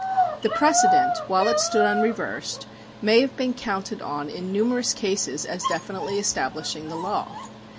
The precedent, while it stood unreversed, may have been counted on in numerous cases as definitely establishing the law.